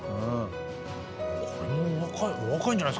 これも若い。